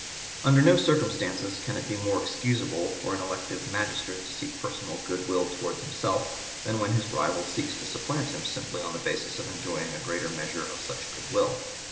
Under no circumstances can it be more excusable for an elective magistrate to seek personal good will towards himself than when his rival seeks to supplant him simply on the basis of enjoying a greater measure of such good will.